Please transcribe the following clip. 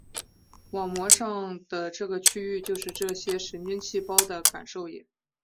网膜上的这个区域就是这些神经细胞的感受野。